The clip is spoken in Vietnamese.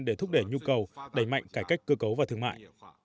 để thúc đẩy nhu cầu đẩy mạnh cải cách cơ cấu và thương mại